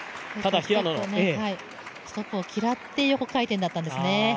ストップを嫌って横回転だったんですね。